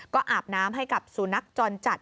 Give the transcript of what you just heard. ก็อาบน้ำให้กับสุนัขจรจัด